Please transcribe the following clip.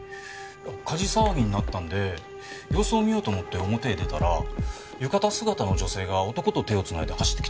火事騒ぎになったんで様子を見ようと思って表へ出たら浴衣姿の女性が男と手をつないで走ってきたんです。